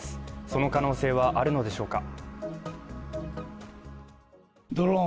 その可能性はあるのでしょうか。